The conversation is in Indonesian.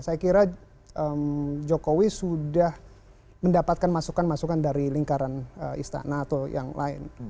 saya kira jokowi sudah mendapatkan masukan masukan dari lingkaran istana atau yang lain